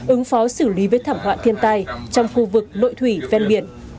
ứng phó xử lý với thảm họa thiên tai trong khu vực nội thủy ven biển